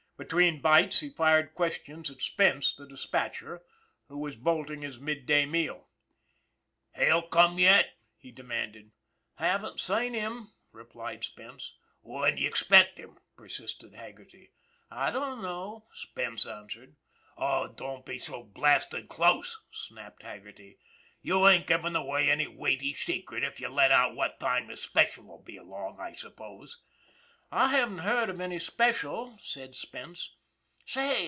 Between bites, he fired questions at Spence the dispatcher, who was bolting his mid day meal. " Hale come yet ?" he demanded. " Haven't seen him," replied Spence. " When d'ye expect him ?" persisted Haggerty. " I don't know," Spence answered. " Oh, don't be so blasted close !" snapped Haggerty. " You ain't givin' away any weighty secret if you let out what time his special'll be along, I suppose." " I haven't heard of any special," said Spence.